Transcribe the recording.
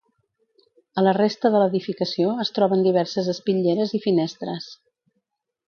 A la resta de l'edificació es troben diverses espitlleres i finestres.